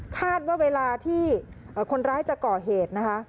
คาดว่าเวลาที่คนร้ายจะก่อเหตุนะคะ